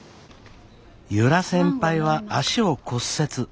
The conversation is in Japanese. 由良先輩は足を骨折。